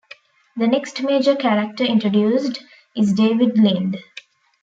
The next major character introduced is David Lind.